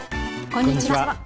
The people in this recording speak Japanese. こんにちは。